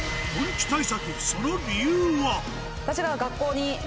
その理由は私が。